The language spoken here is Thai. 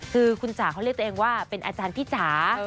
คือคุณจ๋าเขาเรียกตัวเองว่าเป็นอาจารย์พี่จ๋า